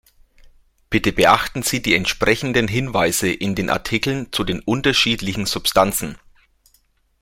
Bitte beachten Sie die entsprechenden Hinweise in den Artikeln zu den unterschiedlichen Substanzen.